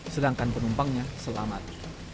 sedangkan penumpangnya selamat